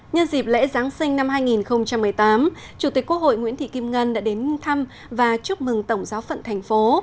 nhân dịp lễ giáng sinh năm hai nghìn một mươi tám chủ tịch quốc hội nguyễn thị kim ngân đã đến thăm và chúc mừng tổng giáo phận thành phố